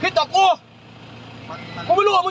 กลับมาสร้างพื้นทาง